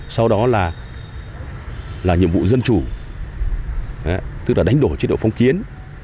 sau đó là nhiệm vụ dân chủ tức là đánh đổ chiến độc phong kiến